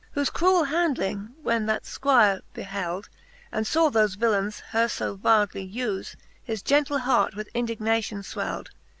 Whofe cruell handling when that Squire beheld, And faw thofe villaines her fo vildely ufe, His gentle heart with indignation fweld